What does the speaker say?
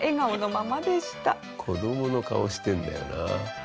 子どもの顔してんだよな。